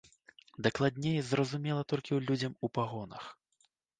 Дакладней, зразумела толькі людзям у пагонах.